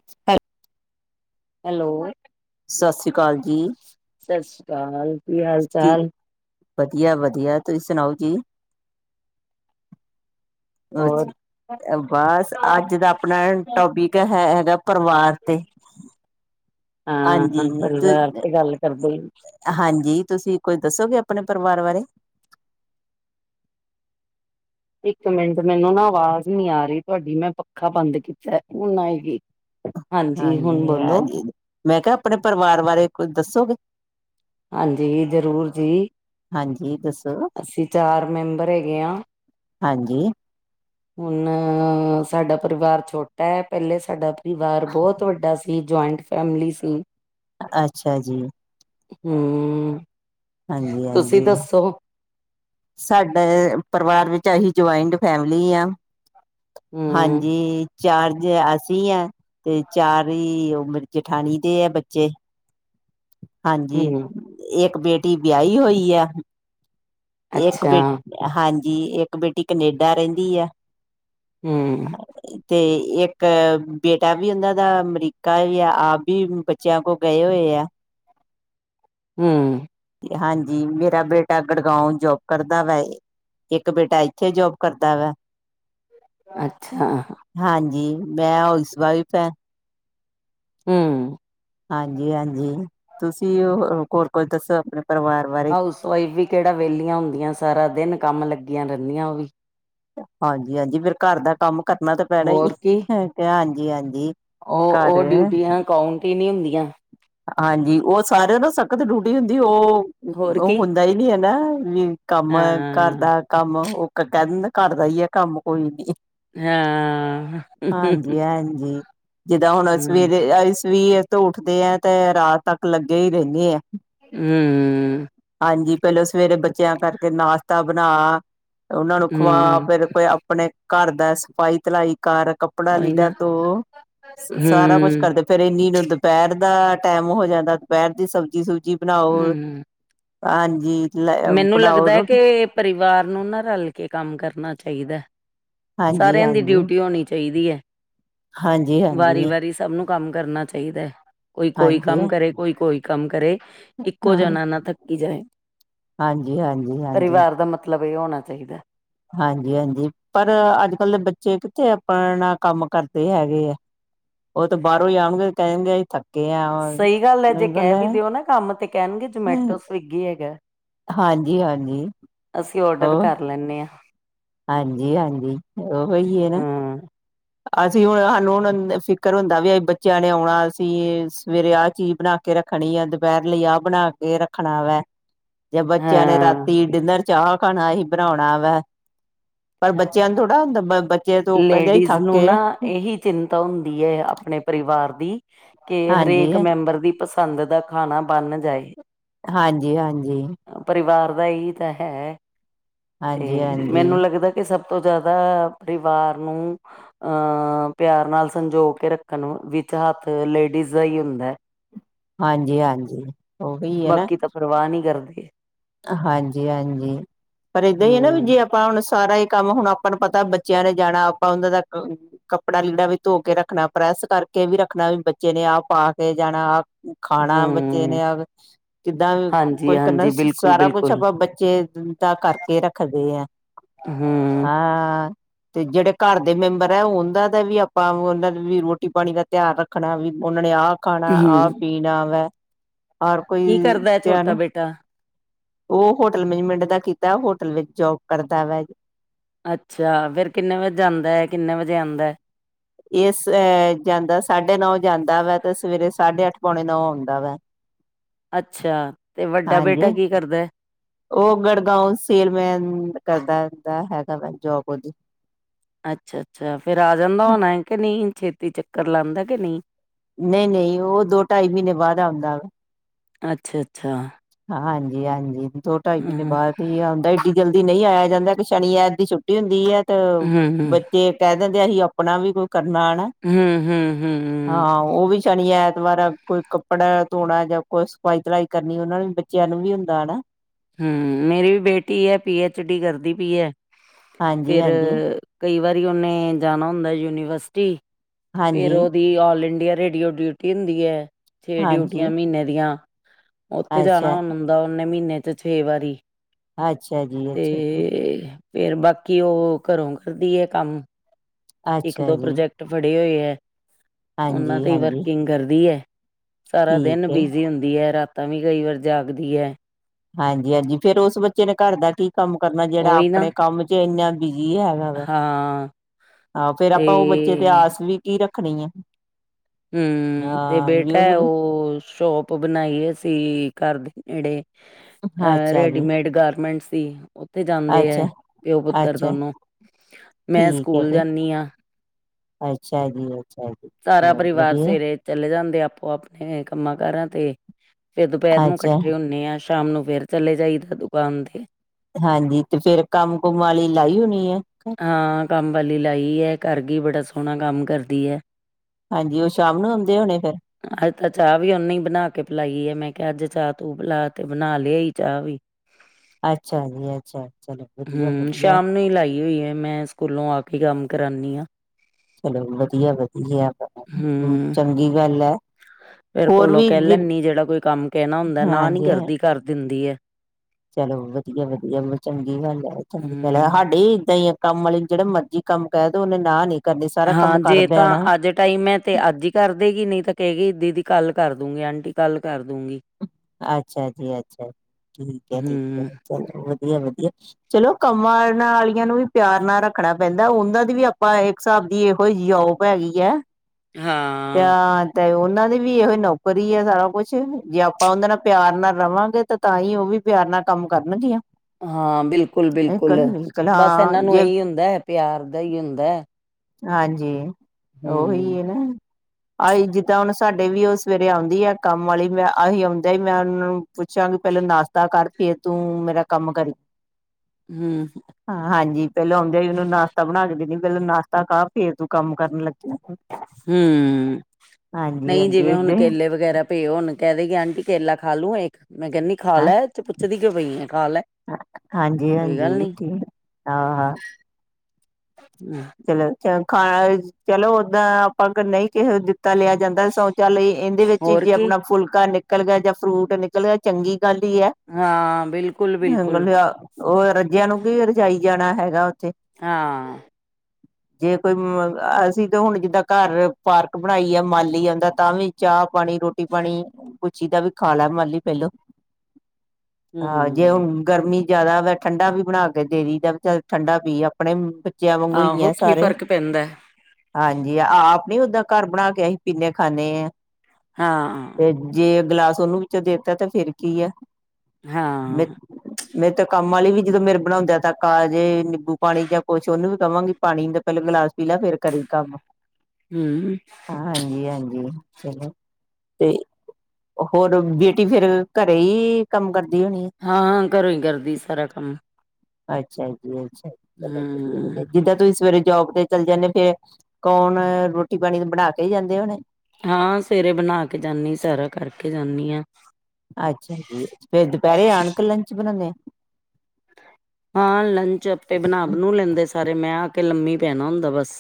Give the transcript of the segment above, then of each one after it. [inaudible] Hello, ਸਤਿ ਸ੍ਰੀ ਅਕਾਲ ਜੀ ਸ ਸ਼੍ਰੀ ਕਾਲ, ਕੀ ਹਾਲ-ਚਾਲ? ਵਧੀਆ-ਵਧੀਆ, ਤੁਸੀਂ ਸੁਨਾਓ ਜੀ। ਹੋਰ ਬਸ ਅੱਜ ਦਾ ਅਪਨਾ ਟੋਪਿਕ ਐ ਹੈਗਾ, ਪਰਿਵਾਰ। [inaudible] ਹਾਂਜੀ ਹਾਂ, ਪਰਵਾਰ ਤੇ ਗੱਲ ਕਰਦੇ ਆਂ। ਹਾਂਜੀ, ਤੁਸੀਂ ਕੋਜ ਦੱਸੋਗੇ ਅਪਨੇ ਪਰਿਵਾਰ ਬਾਰੇ? ਇੱਕ ਮਿੰਟ ਮੈਨੂੰ ਨਾ ਆਵਾਜ ਨੀ ਆ ਰੀ ਤੁਆਡੀ, ਮੈਂ ਪੱਖਾ ਬੰਦ ਕੀਤਾ, ਹੁਨ ਆਏਗੀ। ਹੁਣ ਹਾਂਜੀ, ਬੋਲੋ ਆਗੀ ਮੈਂ ਕੇਯਾ ਅਪਨੇ ਪਰਿਵਾਰ ਬਾਰੇ ਕੋਜ ਦੱਸੋਗੇ? ਹਾਂਜੀ ਜ਼ਰੂਰ ਜੀ, ਹਾਂਜੀ ਦੱਸੋ ਅਸੀ ਚਾਰ ਮੈਂਬਰ ਹੈਗੇ ਆਂ। ਹਾਂਜੀ। ਹੁਨ ਸਾਡਾ ਪਰਿਵਾਰ ਛੋਟੈ, ਪੈਲੇ ਸਾਡਾ ਪਰਿਵਾਰ ਬੋਤ ਵੱਡਾ ਸੀ। ਜੁਆਇੰਟ ਫੈਮਿਲੀ ਸੀ। ਅੱਛਾ ਜੀ। ਹੁੰ। ਹਾਂਜੀ-ਹਾਂਜੀ। ਸਾਡੇ ਪਰਿਵਾਰ ਵਿੱਚ ਅਸੀਂ ਜੁਆਇੰਟ ਫੈਮਿਲੀ ਆ। ਹੂੰ ਹਾਂਜੀ। ਚਾਰ ਜੇ ਅਸੀਂ ਆਂ, ਤੇ ਚਾਰ ਹੀ ਓ ਮੇਰੀ ਜਠਾਣੀ ਦੇ ਐ ਬੱਚੇ। ਹਾਂਜੀ, ਹੂੰ ਇੱਕ ਬੇਟੀ ਬੀਆਈ ਹੋਈ ਆ। ਏਕ ਅੱਛਾ ਬੇ ਹਾਂਜੀ, ਏਕ ਬੇਟੀ ਕਨੇਡਾ ਰੈਂਦੀ ਐ। ਹੂੰ ਤੇ ਇੱਕ ਬੇਟਾ ਵੀ ਓਨਾਂ ਦਾ ਅਮਰੀਕਾ ਵੀ ਆ, ਆਪ ਵੀ ਬੱਚੇਆਂ ਕੋ ਗਏ ਹੋਏ ਆ। ਹੁੰ। ਹਾਂਜੀ, ਮੇਰਾ ਬੇਟਾ ਗੜਗਾਓ ਜੋਬ ਕਰਦਾ ਵਾ। ਇੱਕ ਬੇਟਾ ਏਥੇ ਜੋਬ ਕਰਦਾ ਵਾ। ਅੱਛਾ। ਹਾਂਜੀ, ਮੈਂ ਹਾਊਸਵਾਈਫ ਐ। ਹੁੰ। ਹਾਂਜੀ-ਹਾਂਜੀ, ਤੁਸੀਂ ਹੋਰ ਕੋਜ ਦੱਸੋ ਅਪਨੇ ਪਰਵਾਰ ਹਾਊਸਵਾਈਫ ਵੀ ਕੇੜਾ ਵੇਲੀਆਂ ਹੁੰਦੀਆਂ ਸਾਰਾ ਦਿਨ ਕੰਮ ਲੱਗੀਆਂ ਰੈਂਦੀਆਂ ਓ ਵੀ। ਹਾਂਜੀ-ਹਾਂਜੀ, ਫੇਰ ਘਰ ਦਾ ਕੰਮ ਕਰਨਾ ਤਾਂ ਪੈਣਾਈ, ਮੈਂ ਕੇਯਾ ਹਾਂਜੀ-ਹਾਂਜੀ। ਓ ਓ ਡਿਊਟੀਆਂ ਕਾਉਂਟ ਈ ਨੀਂ ਹੁੰਦੀਆਂ। ਹਾਂਜੀ, ਓ ਸਾਰੇਆਂ ਦਾ ਸਖ਼ਤ ਡੂਟੀ ਹੁੰਦੀ, ਓ ਹੋਰ ਕੀ। ਹੁੰਦਾ ਹੀ ਨੀ ਹੈਨਾ ਵੀ। ਕੰਮ ਘਰ ਹਾਂ, ਦਾ ਕੰਮ ਓ, ਕੈ ਦਿੰਦੇ ਘਰ ਦਾ ਈਐ ਕੰਮ, ਕੋਈ ਨੀ। ਹਾਂ, ਹਾਂਜੀ-ਹਾਂਜੀ। ਜਿੱਦਾਂ ਹੋਨ ਹੂੰ। ਸਵੇਰੇ ਅਸ ਵੀ ਤੋਂ ਉੱਠਦੇ ਆ ਤੇ ਰਾਤ ਤੱਕ ਲੱਗੇਈ ਰਹਿੰਨੇ ਆਂ। ਹੁੰ। ਹਾਂਜੀ, ਪੈਲੋਂ ਸਵੇਰੇ ਬੱਚੇਆਂ ਕਰਕੇ ਨਾਸ਼ਤਾ ਬਨਾ। ਓਨਾਂ ਨੂੰ ਖਵਾ ਫੇਰ ਅਪਨੇ ਅਪਨੇ ਘਰ ਦਾ ਸਫਾਈ-ਪਲਾਈ ਕਰ। ਕੱਪੜਾ ਉਹੀ ਲੀੜਾ ਨਾ ਤੋਂ, ਸਾਰਾ ਕੁਛ ਹੂੰ, ਕਰਦੇ। ਫੇਰ ਇੰਨੀ ਨੂੰ ਦੁਪਹਿਰ ਦਾ ਟੈਮ ਹੋ ਜਾਂਦਾ, ਦੁਪਹਿਰ ਦੀ ਸਬਜ਼ੀ-ਸੁਬਜੀ ਬਣਾਓ। ਹੂੰ। ਹਾਂਜੀ। ਮੈਨੂੰ ਬਣਾਓ ਲੱਗਦਾ ਹੈ ਰੋਟੀ ਕਿ, ਪਰਿਵਾਰ ਨੂੰ ਨਾ ਰਲ ਕੇ ਕੰਮ ਕਰਨਾ ਚਾਹੀਦਾ। ਹਾਂਜੀ ਸਾਰਿਆਂ ਦੀ ਹਾਂਜੀ ਡਿਊਟੀ ਹੋਣੀ ਚਾਹੀਦੀ ਹੈ, ਹਾਂਜੀ ਹਾਂਜੀ ਵਾਰੀ-ਵਾਰੀ ਸ ਸਭ ਨੂੰ ਕੰਮ ਕਰਨਾ ਚਾਹੀਦਾ ਹੈ। ਕੋਈ-ਕੋਈ ਹਾਂਜੀ ਕੰਮ ਕਰੇ, ਕੋਈ-ਕੋਈ ਕੰਮ ਕਰੇ, ਇੱਕੋ ਜਣਾ ਨਾ ਥੱਕੀ ਜਾਏ। ਹਾਂਜੀ-ਹਾਂਜੀ-ਹਾਂਜੀ। ਪਰਿਵਾਰ ਦਾ ਮਤਲਬ ਹੋਣਾ ਚਾਹੀਦੇ। ਹਾਂਜੀ-ਹਾਂਜੀ, ਪਰ ਅੱਜ ਕੱਲ੍ਹ ਬੱਚੇ ਕਿੱਥੇ ਆਪਣਾ ਕੰਮ ਕਰਦੇ ਹੈਗੇ ਆ। ਉਹ ਤੇ ਬਾਹਰੋਂ ਲੇਆਣਗੇ, ਕਹਿਣਗੇ ਇਥੱਕ ਸਹੀ ਗੱਲ ਹੈ, ਜੇ ਕਹਿ ਵੀ ਦਿਓ ਨਾ ਕੰਮ ਤੇ ਕਹਿਣਗੇ ਜਮੈਟੋ, ਸਵਿਗੀ ਹੈਗਾ। ਹਾਂਜੀ-ਹਾਂਜੀ। ਅਸੀਂ ਔਡਰ ਕਰ ਲੈਂਨੇ ਹਾਂ। ਹਾਂਜੀ-ਹਾਂਜੀ, ਉਹਹੀ ਹੈ ਨਾ। ਹਮ ਅਸੀਂ ਹੁਣ ਸਾਨੂੰ ਹੁਣ ਫਿਕਰ ਹੁੰਦਾ ਵੀ ਬੱਚਿਆਂ ਨੇ ਆਉਣਾ, ਅਸੀਂ ਸਵੇਰੇ ਆਹ ਚੀਜ਼ ਬਣਾ ਕੇ ਰੱਖਣੀ ਆ, ਦੁਪਹਿਰ ਲਈ ਆਹ ਬਣਾ ਕੇ ਰੱਖਣਾ ਵੈ। ਜਾਂ ਬੱਚਿਆਂ ਨੇ ਹਾਂ। ਰਾਤੀ ਡਿਨਰ ਚ ਆਾਹ ਖਾਣਾ ਅਹੀ ਬਣਾਉਣਾ ਵੈ। ਪਰ ਬੱਚੇਆਂ ਨੂੰ ਥੋੜ੍ਹਾ ਹੁੰਦਾ, ਬ ਬੱਚੇ ਤੋਂ ਪਹਿਲੇ ਹੀ ਲੇਡੀਜ਼ ਥੱਕ ਨੂੰ ਕੇ ਨਾ ਇਹੀ ਚਿੰਤਾ ਹੁੰਦੀ ਹੈ ਆਪਣੇ ਪਰਿਵਾਰ ਦੀ, ਕਿ ਹਾਂਜੀ ਹਰੇਕ ਮੈਂਬਰ ਦੀ ਪਸੰਦ ਦਾ ਖਾਣਾ ਬਣ ਜਾਏ। ਹਾਂਜੀ-ਹਾਂਜੀ। ਪਰਿਵਾਰ ਦਾ ਹੀ ਤਾਂ ਹੈ, ਹਾਂਜੀ ਤੇ ਮੈਨੂੰ ਲੱਗਦਾ ਕਿ ਸਭ ਤੋਂ ਜ਼ਿਆਦਾ, ਪਰਿਵਾਰ ਨੂੰ ਅ ਪਿਆਰ ਨਾਲ ਸੰਜੋ ਕੇ ਰੱਖਣ, ਵਿੱਚ ਹੱਥ ਲੇਡੀਜ਼ ਦਾ ਹੀ ਹੁੰਦਾ ਹੈ। ਹਾਂਜੀ-ਹਾਂਜੀ। ਬਾਕੀ ਤਾਂ ਪਰਵਾਹ ਨੀ ਕਰਦੇ। ਹਾਂਜੀ ਹਾਂਜੀ, ਪਰ ਏਦਾਂ ਹੀ ਹੈ ਨਾ ਵੀ ਹੂੰ ਜੇ ਕੋਣ ਸਾਰਾ ਹੀ ਕੰਮ ਹੁਣ ਆਪਾਂ ਨੂੰ ਪਤਾ ਬੱਚੇਆਂ ਨੇ ਜਾਣਾ ਆਪਾਂ ਉਹਨਾਂ ਦਾ ਕ ਕੱਪੜਾ ਲੀੜਾ ਵੀ ਧੋ ਕੇ ਰੱਖਣਾ, ਪ੍ਰੈਸ ਕਰਕੇ ਵੀ ਰੱਖਣਾ ਵੀ ਬੱਚੇ ਨੇ ਆਹ ਪਾ ਕੇ ਜਾਣਾ ਖਾਣਾ ਬੱਚੇ ਹੂੰ ਨੇ। ਕਿੱਦਾਂ ਹਾਂਜੀ ਕੋਈ ਹਾਂਜੀ ਕਨਸ ਬਿਲਕੁਲ ਸਾਰਾ ਕੁਛ ਬਿਲਕੁਲ ਆਪਾਂ ਬੱਚੇ ਦਾ, ਕਰਕੇ ਰੱਖਦੇ ਹਾ। ਹੂੰ ਹਾਂ ਤੇ ਜਿਹੜੇ ਘਰ ਦੇ ਮੈਂਬਰ ਹੈ। ਉਹਨਾਂ ਦਾ ਵੀ ਆਪਾਂ ਉਹਨਾਂ ਵੀ ਰੋਟੀ ਪਾਣੀ ਦਾ ਧਿਆਨ ਰੱਖਣਾ। ਵੀ ਉਹਨਾਂ ਨੇ ਆ ਖਾਣਾ ਆ ਹੂੰ ਪੀਣਾ ਵਾ। ਹਰ ਕੋਈ ਕੀ ਕਰਦਾ ਹੈ ਛੋਟਾ ਧਿਆਨ ਬੇਟਾ ਉਹ ਹੋਟਲ ਮੈਨੇਜਮੈਂਟ ਦਾ ਕੀਤਾ, ਹੋਟਲ ਵਿੱਚ ਜੋਬ ਕਰਦਾ ਵਾ। ਅੱਛਾ ਫਿਰ ਕਿੰਨੇ ਵਜੇ ਜਾਂਦਾ ਹੈ, ਕਿੰਨੇ ਵਜੇ ਆਉਦਾਂ ਹੈ? ਇਸ ਅਹ ਜਾਂਦਾ ਸਾਢੇ ਨੌ ਜਾਂਦਾ ਵਾ, ਤੇ ਸਵੇਰੇ ਸਾਢੇ ਅੱਠ, ਪੌਣੇ ਨੌ ਆਉਂਦਾ ਵਾ। ਅੱਛਾ, ਤੇ ਵੱਡਾ ਬੇਟਾ ਹਾਂਜੀ ਕੀ ਕਰਦਾ ਹੈ? ਉਹ ਗੜਗਾਉ ਸੇਲਮੈਨ ਕਰਦਾ ਹਦਾ ਹੈਗਾ ਵੇ ਜੋਬ ਉਹਦੀ। ਅੱਛਾ-ਅੱਛਾ, ਫਿਰ ਆ ਜਾਂਦਾ ਹੋਣਾ ਕਿ ਨਹੀਂ, ਛੇਤੀ ਚੱਕਰ ਲਾਉਂਦਾ ਕਿ ਨਹੀਂ? ਨਹੀਂ-ਨਹੀਂ, ਉਹ ਦੋ, ਢਾਈ ਮਹੀਨੇ ਬਾਅਦ ਆਉਂਦਾ ਵਾ। ਅੱਛਾ-ਅੱਛਾ। ਹਾਂਜੀ-ਹਾਂਜੀ, ਦੋ, ਢਾਈ ਮਹੀਨੇ ਬਾਅਦ ਹੀ ਆਉਂਦਾ। ਏਡੀ ਜਲਦੀ ਨਹੀਂ ਆਇਆ ਜਾਂਦਾ ਇਕ ਸ਼ਨੀ, ਐਤ ਦੀ ਛੁੱਟੀ ਛੁੱਟੀ ਹੁੰਦੀ ਹੈ ਤੇ, ਹੂੰ ਹੂੰ ਬੱਚੇ ਕਹਿ ਦਿੰਦੇ ਅਸੀਂ ਆਪਣਾ ਵੀ ਕੋਈ ਕਰਨਾ ਆ ਨਾ। ਹਮ-ਹਮ -ਹਮ ਓ ਵੀ ਸ਼ਨੀ- ਐਤਵਾਰ ਕੋਈ ਕੱਪੜਾ ਧੋਣਾ ਜਾਂ ਕੋਈ ਸਫਾਈ ਤਲਾਈ ਕਰਨੀ ਓਨਾਂ ਨੇ ਬੱਚੇਆਂ ਨੂੰ ਵੀ ਹੁੰਦਾ ਹਨਾ ਹਮ ਮੇਰੀ ਵੀ ਬੇਟੀ ਆ, ਪੀ ਐਚ ਡੀ ਕਰਦੀ ਪਈ ਆ, ਹਾਂਜੀ ਫਿਰ ਹਾਂਜੀ ਕਈ ਵਾਰੀ ਓਨੇ ਜਾਣਾ ਹੁੰਦਾ ਯੂਨੀਵਰਸਿਟੀ ਫੇਰ ਹਾਂਜੀ ਓ ਦੀ ਆਲ- ਇੰਡੀਆ ਰੇਡੀਓ ਡਿਊਟੀ ਹੁੰਦੀ ਆ ਛੇ ਹਾਂਜੀ ਡਿਊਟੀਆਂ ਮੀਨੇ ਦੀਆਂ ਓਥੇ ਜਾਣਾ ਅੱਛਾ ਹੁਣ ਹੁੰਦਾ ਓਨੇ ਮੀਨੇ ਚ ਛੇ ਵਾਰੀ ਅੱਛਾ ਜੀ ਤੇ ਅੱਛਾ ਜੀ ਫੇਰ ਬਾਕੀ ਓ ਘਰੋਂ ਕਰਦੀ ਆ ਕੰਮ ਇੱਕ ਅੱਛਾ ਦੋ ਜੀ ਪ੍ਰੋਜੈਕਟ ਫੜੇ ਹੋਏ ਆ, ਔਨਾਂ ਹਾਂਜੀ ਤੇ ਹਾਂਜੀ ਵਰਕਿੰਗ ਕਰਦੀ ਐ ਸਾਰਾ ਦਿਨ ਠੀਕ ਹੈ ਬਿਜੀ ਹੁੰਦੀ ਆ, ਰਾਤਾਂ ਵੀ ਕਈ ਵਾਰ ਜਾਗਦੀ ਐ ਹਾਂਜੀ -ਹਾਂਜੀ ਫੇਰ ਉਸ ਬੱਚੇ ਨੇ ਘਰ ਦਾ ਕੀ ਕੰਮ ਕਰਨਾ ਜੇੜਾ ਉਹੀ ਨਾ ਆਪਣੇ ਕੰਮ ਚ ਏਨਾ ਬਿਜੀ ਆ ਹੈਗਾ, ਹਾਂ ਹਾ ਫੇਰ ਆਪਾਂ ਓ ਬੱਚੇ ਤੇ ਆਸ ਵੀ ਕੀ ਰੱਖਣੀ ਆ ਹਮ--ਤੇ ਹਾਂ ਵੀ ਬੇਟਾ ਉਹਨੂੰ ਓ ਸ਼ੋਪ ਬਣਾਈ ਅਸੀਂ ਘਰ ਦੇ ਨੇੜੇ ਅ ਅੱਛਾ ਜੀ ਰੇਡੀਮੇਡ ਗਾਰਮੈਂਟਸ ਦੀ ਓਥੇ ਜਾਂਦੇ ਅੱਛਾ ਆ, ਪਿਓ ਪੁੱਤਰ ਅੱਛਾ ਦੋਨੋ, ਮੈਂ ਠੀਕ ਹੈ ਸਕੂਲ ਤੇ ਜਾਂਨੀ ਆ ਅੱਛਾ ਜੀ -ਅੱਛਾ ਜੀ ਸਾਰਾ ਚਲੋ ਪਰੀਵਾਰ ਵਧੀਆ ਸਵੇਰੇ ਚਲੇ ਜਾਂਦੇ ਆਪੋ- ਆਪਣੇ ਕੰਮਾਂ ਕਾਰਾਂ ਤੇ ਫੇਰ ਦੁਪੈਰ ਨੂੰ ਅੱਛਾ ਇਕੱਠੇ ਹੁੰਨੇ ਆ, ਸ਼ਾਮ ਨੂੰ ਫੇਰ ਚਲੇ ਜਾਈਦਾ ਦੁਕਾਨ ਤੇ ਹਾਂਜੀ ਤੇ ਫੇਰ ਕੰਮ- ਕੁਮ ਵਾਲੀ ਲਾਈ ਹੁਣੀ ਆ ਹਾਂ ਕੰਮ ਵਾਲੀ ਲਾਈ ਆ, ਕਰ ਗਈ ਬੜਾ ਸੋਹਣਾ ਕੰਮ ਕਰਦੀ ਆ ਹਾਂਜੀ, ਓ ਸ਼ਾਮ ਨੂੰ ਆਓਂਦੀ ਹੁਣੀ ਫੇਰ? ਅੱਜ ਤਾਂ ਚਾਹ ਵੀ ਓਨੇ ਈ ਬਣਾ ਕੇ ਪਿਲਾਈ ਆ, ਮੈਂ ਕੇਆ ਅੱਜ ਚਾਹ ਤੂੰ ਬਣਾ ਤੇ ਬਣਾ ਲਿਆਈ ਚਾਹ ਵੀ। ਅੱਛਾ ਜੀ ਅੱਛਾ ਚਲੋ ਵੱਧੀਆ-ਵੱਧੀਆ ਨਈ ਮੈਂ ਸਕੂਲੋ ਆ ਕੇ ਕੰਮ ਕਰਾਨੀ ਆ ਚਲੋ ਵੱਧੀਆ -ਵੱਧੀਆ ਹੂੰ, ਚੰਗੀ ਗੱਲ ਆ ਫੇਰ ਕੋਲੋਂ ਕੈਹ ਲੇਂਨੀ ਜੇੜਾ ਕੋਈ ਕੰਮ ਕੈਣਾ ਹੁੰਦਾ ਨਾ- ਨੀ ਹਾਂਜੀ ਕਰਦੀ ਕਰ ਦਿੰਦੀ ਆ ਚਲੋ ਵੱਧੀਆ -ਵੱਧੀਆ ਚੰਗੀ ਗੱਲ ਐ, ਚੰਗੀ ਗੱਲ ਆ ਹੂੰ, ਸਾਡੇ ਵੀ ਏਦਾ ਈ ਆ ਕੰਮ ਵਾਲੀ ਨੂੰ ਜੇੜਾ ਮਰਜੀ ਕੰਮ ਕੈ ਦਿਓ ਓਨੇ ਨਾ ਨੀ ਕਰਨੀ, ਸਾਰਾ ਕੰਮ ਹਾਂ ਜੇ ਤਾਂ ਕਰ-ਦੇਣਾ ਅੱਜ ਟਾਈਮ ਹੈ ਤੇ ਅੱਜ ਈ ਕਰ ਦੇਗੀ, ਨਈ ਤਾ ਕਏਗੀ ਦੀਦੀ ਕੱਲ ਕਰ ਦੂੰਗੀ, ਆਂਟੀ ਕੱਲ ਕਰ ਦੂੰਗੀ। ਅੱਛਾ ਜੀ- ਅੱਛਾ, ਠੀਕ ਐ -ਠੀਕ ਐ, ਹੂੰ, ਵੱਧੀਆ ਵੱਧੀਆ ਚਲੋ ਕੰਮਾਂ ਵਾਲੀਆਂ ਨੂੰ ਵੀ ਪਿਆਰ ਨਾਲ ਰੱਖਣਾ ਪੈਂਦਾ, ਓਨਾਂ ਦੀ ਵੀ ਆਪਾਂ ਇੱਕ ਹਿਸਾਬ ਦੀ ਇਹੋ ਜਿਹੀ ਆਓ ਹੈਗੀ ਆ ਹਾਂ ਪੇਆਰ ਤੇ ਓਨਾਂ ਦੀ ਵੀ ਇਹੋ ਨੌਕਰੀ ਆ ਸਾਰਾ ਕੁਛ ਜੇ ਆਪਾਂ ਓਨਾਂ ਨਾਲ ਪਿਆਰ ਨਾਲ ਰਵਾਂਗੇ ਤੇ ਤਾਂ ਈ ਓ ਵੀ ਪਿਆਰ ਨਾਲ ਕੰਮ ਕਰਨਗੀਆਂ ਹਾਂ ਬਿਲਕੁਲ -ਬਿਲਕੁਲ, ਬਿਲਕੁਲ ਬਸ ਹਾਂ ਏਨਾਂ ਨੂੰ ਜੇ ਏਹੀ ਹੁੰਦਾ ਪਿਆਰ ਦਾ ਈ ਹੁੰਦਾ। ਹਾਂਜੀ ਹੂੰ, ਓਹੀ ਹਨਾ ਆਹੀ ਜਿੱਦਾਂ ਹੁਣ ਸਾਡੇ ਵੀ ਓ ਸਵੇਰੇ ਆਂਦੀ ਆ ਕੰਮ ਵਾਲੀ, ਮੈਂ ਆਹੀ ਆਉਂਦੇ ਮੈਂ ਓਨੂੰ ਪੁੱਛਾਂਗੀ ਪੇਲਾਂ ਨਾਸ਼ਤਾ ਕਰ ਫਿਰ ਤੂੰ ਮੇਰਾ ਕੰਮ ਕਰੀ [unintelligible] ਹਾਂ ਹਾਂਜੀ, ਪੇਲੇ ਆਉਂਦੇ ਆ ਈ ਓਨੂੰ ਨਾਸ਼ਤਾ ਬਣਾ ਕੇ ਦੇਣੀ, ਪੇਲਾਂ ਨਾਸ਼ਤਾ ਕਰ, ਫੇਰ ਤੂੰ ਕੰਮ ਕਰਨ ਲੱਗੀ ਹਾਂਜੀ ਹੁ--ਨਈ ਹਾਂਜੀ ਜਿਵੇਂ ਹੁਣ ਏਦਾਂ ਹੀ ਕੇਲੇ ਵਗੈਰਾ ਪਏ ਹੋਣ ਕੈ ਦੇਗੀ ਆਂਟੀ ਕੇਲਾ ਖਾ ਲੂ ਏਕ, ਮੈਂ ਕਂਦੀ ਖਾ ਹੈਂ ਲੈ ਏਦੇ ਚ ਪੁੱਛਦੀ ਕਿਓ ਪਈ ਐ, ਖਾ ਲੈ ਕੋਈ ਗੱਲ ਨੀ ਆਹ ਹਾਂ [unintelligible] ਚਲੋ ਖਾਣਾ ਚਲੋ ਓਦਾਂ ਆਪਾਂ ਅਗਰ ਨਹੀਂ ਕਿਸੇ ਦਿੱਤਾ ਲਿਆ ਜਾਂਦਾ ਸ ਚੱਲ ਇਹਦੇ ਵਿੱਚ ਹੀ ਹੋਰ ਜੇ ਕੀ ਅਪਨਾ ਫੁਲਕਾ ਨਿਕਲ ਗਿਆ ਜਾਂ ਫਰੂਟ ਨਿਕਲ ਗਿਆ ਚੰਗੀ ਗੱਲ ਈ ਐ ਹਾਂ ਬਿਲਕੁਲ ਬਿਲਕੁਲ ਮਤਲਬ ਉਹ ਰੱਜਿਆਂ ਨੂੰ ਕੀ ਰਜਾਈ ਜਾਣਾ ਹੈਗਾ ਉੱਥੇ ਹਾਂ ਜੇ ਕੋਈ ਅਸੀਂ ਤਾਂ ਹੁਨ ਜਿੱਦਾਂ ਘਰ ਪਾਰਕ ਬਨਾਈ ਆ ਮਾਲੀ ਆੰਦਾ ਤਾਂ ਵੀ ਚਾਹ ਪਾਨੀ ਰੋਟੀ ਪਾਨੀ ਪੁਛੀ ਦਾ ਵੀ ਖਾ ਲੈ ਮਾਲੀ ਪਹਿਲੋਂ ਹਾਂ ਜੇ ਹੂੰ ਹੁਨ ਗਰਮੀ ਜਿਆਦਾ ਵੇ ਠੰਡਾ ਵੀ ਬਣਾ ਕੇ ਦੇਦੀ ਦਾ ਵੀ ਚੱਲ ਠੰਡਾ ਪੀ ਆਪਣੇ ਬੱਚਿਆਂ ਵ ਕੋਈ ਆਹੋ ਐ ਕੀ ਸਾਰੇ ਫ਼ਰਕ ਪੈਂਦਾ ਹਾਂਜੀ ਆਪ ਨੀ ਓਦਾਂ ਘਰ ਬਨਾ ਕੇ ਅਸੀਂ ਪੀੇ ਖਾਂਨੇ ਆ ਹਾਂ ਤੇ ਜੇ ਗਲਾਸ ਉਹਨੂੰ ਵਿੱਚੋਂ ਦੇਤਾ ਤੇ ਫੇਰ ਕੀ ਐ ਹਾਂ ਮੇ ਮੇਰੇ ਤਾਂ ਕੰਮ ਆਲੀ ਵੀ ਜਿਦੋਂ ਮੇਰੇ ਬਣਾਉਂਦਾ ਤਕ ਆਜੇ ਨਿੰਬੂ ਪਾਣੀ ਜਾਂ ਕੁੱਛ ਉਹਨੂੰ ਵੀ ਕਵਾਂਗੀ ਪਾਨੀ ਦਾ ਪਹਿਲਾਂ ਗਲਾਸ ਪੀ ਲੈ ਫੇਰ ਕਰੀ ਕੰਮ ਹੂੰ ਹਾਂਜੀ-ਹਾਂਜੀ, ਚਲੋ ਤੇ ਹੋਰ ਬੇਟੀ ਫੇਰ ਘਰੇ ਈ ਕੰਮ ਕਰਦੀ ਹੋਨੀ ਏ ਹਾਂ-ਹਾਂ ਘਰੋਂ ਈ ਕਰਦੀ ਸਾਰਾ ਕੰਮ ਅੱਛਾ ਜੀ ਅੱਛਾ, ਚਲੋ ਵਦੀਆ ਹੂੰ ਵਦੀਆ ਜੀ ਜਿੱਦਾਂ ਤੁਸੀਂ ਸਵੇਰੇ ਜੋਬ ਤੇ ਚਲੇ ਜਾਂਨੇ ਫੇਰ ਕੌਨ ਰੋਟੀ ਪਾਨੀ ਬਨਾ ਕੇ ਜਾੰਦੇ ਹੋਨੇ ਹਾਂ ਸਵੇਰੇ ਬਨਾ ਕੇ ਜਾਂਨੀ ਸਾਰਾ ਕਰਕੇ ਜਾਂਨੀ ਆ ਅੱਛਾ ਜੀ ਫੇਰ ਦੁਪਹਿਰੇ ਆਨ ਕੇ ਲੰਚ ਬਨਾਨੇ ਆ ਹਾਂ ਲੰਚ ਆਪੇ ਬਨਾ-ਬਨੁ ਲੈਂਦੇ ਸਾਰੇ ਮੈਂ ਆ ਕੇ ਲੰਮੀ ਪੈਨਾ ਹੁੰਦਾ ਬਸ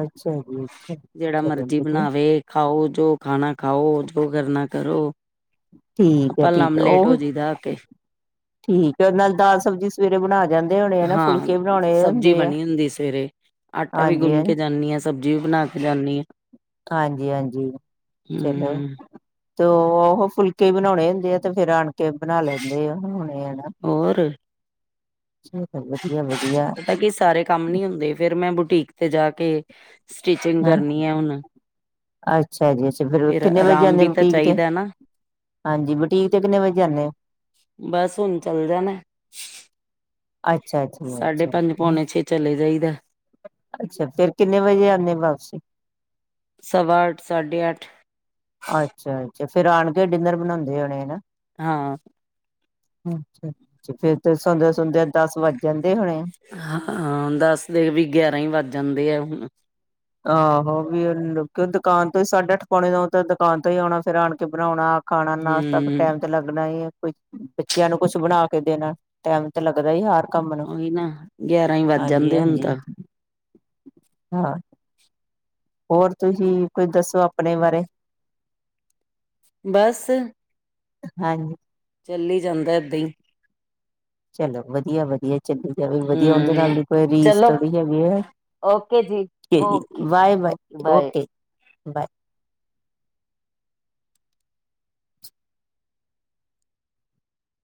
ਅੱਛਾ ਜੀ ਅੱਛਾ, ਜਿਹੜਾ ਚਲੋ ਮਰਜੀ ਵਦੀਆ ਬਣਾਵੇ ਖਾਓ ਜੋ ਖਾਨਾ ਖਾਓ ਜੋ ਕਰਨਾ ਕਰੋ ਠੀਕ ਹੈ ਆਪਾਂ ਲਮ ਠੀਕ ਹੈ। ਲੇਟ ਹੋ ਉਹ ਜਈਦਾ ਆ ਕੇ ਠੀਕ ਹੈ ਨਾਲ ਦਾਲ ਸਬਜ਼ੀ ਸਵੇਰੇ ਬਨਾ ਜਾਂਦ ਹਾਂ ਸਬਜ਼ੀ ਬਨੀ ਹੁੰਦੀ ਸਵੇਰੇ ਆਟਾ ਵੀ ਹਾਂਜੀ ਗੁੰਨ ਕੇ ਜਾਂਨੀ ਆ ਸਬਜ਼ੀ ਵੀ ਬਨਾ ਕੇ ਜਾਨੀ ਆ ਹਾਂਜੀ ਹਾਂਜੀ, ਚਲੋ ਹਮ ਤੇ ਉਹ ਫੁਲਕੇ ਬਨਾਓਨੇ ਹੁੰਦੇ ਆ ਤੇ ਫੇਿਰ ਆਨ ਕੇ ਬਨਾ ਲੈਂਦੇ ਆ ਹੋਨੇ ਆ ਨਾ ਹੋਰ ਚਲੋ ਫਿਰ ਵਦੀਆ ਵਦੀਆ ਪਤਾ ਕੀ ਸਾਰੇ ਕੰਮ ਨ ਹੁੰਦੇ ਫੇਰ ਮੈਂ ਬੁਟੀਕ ਤੇ ਜਾ ਕੇ ਸਟਿਚਿੰਗ ਹਾਂ ਕਰਨੀ ਐ ਹੁਨ ਅੱਛਾ ਜੀ ਤੇ ਫੇਰ ਕਿੰਨੇ ਵਜੇ ਆਰਾਮ ਆੰਦੇ ਵੀ ਤਾਂ ਬੁਟੀਕ ਤੇ ਚਾਹੀਦਾ ਨਾ ਹਾਂਜੀ ਬੁਟੀਕ ਤੇ ਕਿੰਨੇ ਵਜੇ ਜਾਂਨੇ ਔ ਬਸ ਹੁਨ ਚੱਲ ਜਾਨਾ ਸਾਢੇ ਅੱਛਾ-ਅੱਛਾ-ਅਛਾ ਪੰਜ ਪੌਣੇ ਛੇ ਚਲੇ ਜਾਈਦਾ ਅੱਛਾ ਫਿਰ ਕਿੰਨੇ ਵਜੇ ਆਨੇ ਵਾਪਸੀ ਸਵਾ ਅੱਠ, ਸਾਢੇ ਅੱਠ ਅੱਛਾ-ਅੱਛਾ ਫੇਰ ਆਣ ਕੇ ਡਿਨਰ ਬਣਾਦੇ ਹੋਣੇ ਨਾ। ਹਾਂ। ਅੱਛਾ ਫੇਰ ਤਾਂ ਸੌਦਿਆਂ-ਸੌਦਿਆਂ ਦਸ ਵੱਜ ਜਾਂਦੇ ਹੋਣੇ ਆ। ਹਾਂ ਦਸ ਦੇ ਵੀ ਗਿਆਰਾਂ ਈ ਵੱਜ ਜਾਂਦੇ ਆ ਹੁਣ। ਆਹੋ ਵੀ ਦੁਕਾਨ ਤੋਂ ਹੀ ਸਾਢੇ ਅੱਠ ਪਉਣੇ ਨੋ ਤੋਂ ਤੇ ਦੁਕਾਨ ਤੋਂ ਹੀ ਆਉਣਾ ਫੇਰ ਆਣ ਕੇ ਬਣਾਉਣਾ। ਖਾਣਾ ਨਾਸ਼ਤਾ ਤੇ ਹਮ ਟਾਈਮ ਤੇ ਲੱਗਣਾ ਹੀ ਹੈ। ਬੱਚਿਆਂ ਨੂੰ ਕੁੱਛ ਬਣਾ ਕੇ ਦੇਣਾ, ਟਾਈਮ ਤਾਂ ਲੱਗਦਾ ਹੀ ਹੋਰ। ਕੰਮ ਨੂੰ। ਉਹੀ ਨਾ ਗਿਆਰਾਂ ਹੀ ਵੱਜ ਹਾਂਜੀ ਜਾਂਦੇ ਹੁਣ -ਹਾਂਜੀ, ਤਾਂ ਹਾਂ। ਹੋਰ ਤੁਸੀਂ ਕੁਝ ਦੱਸੋ ਆਪਣੇ ਬਾਰੇ? ਬਸ। ਹਾਂਜੀ। ਚੱਲ ਹੀ ਜਾਂਦਾ ਇੱਦਾਂ ਹੀ। ਚਲੋ ਵਧੀਆ- ਵਧੀਆ ਚੱਲ ਜਾਵੇ ਵਧੀਆ ਉਹਦੇ ਨਾਲ ਹਮ ਦੀ ਕੋਈ ਰੀਸ ਚਲੋ ਥੋੜੀ ਹੈਗੀ ਆ। ਓਕੇ ਜੀ okay bye -bye, okay bye okay, bye.